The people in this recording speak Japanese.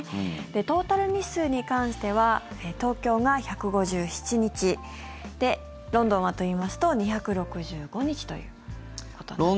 トータル日数に関しては東京が１５７日ロンドンはといいますと２６５日ということになっています。